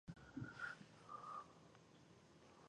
د وریجو په هکله نور معلومات.